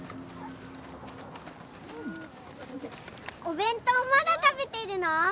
・お弁当まだ食べてるの？